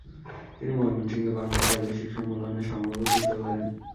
তিনি ময়মনসিংহে বাঙলা প্রাদেশিক সম্মেলনের সভাপতিত্ব করেন।